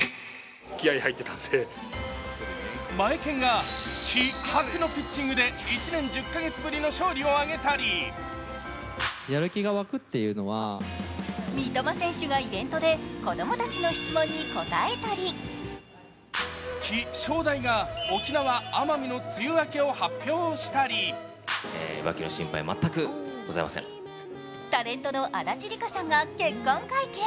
マエケンが気迫のピッチングで１年１０か月ぶりの勝利を挙げたり三笘選手がイベントで子供たちの質問に答えたり、気象台が沖縄・奄美の梅雨明けを発表したりタレントの足立梨花さんが結婚会見。